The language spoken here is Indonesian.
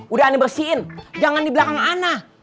udah anda bersihin jangan di belakang ana